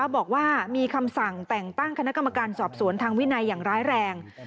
บอกว่ามีคำสั่งแต่งตั้งคณะกรรมการสอบสวนทางวินัยอย่างร้ายแรง